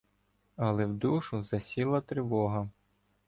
Але в душу засіла тривога.